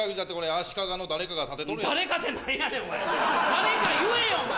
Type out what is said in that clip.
誰か言えよお前！